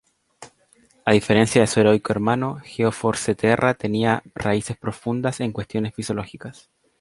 A diferencia de su heroico hermano, Geo-Force, Terra tenía raíces profundas en cuestiones psicológicas.